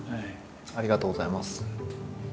ありがとうございます。